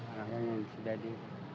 anaknya yang sudah di